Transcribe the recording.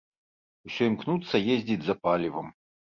Усё імкнуцца ездзіць за палівам.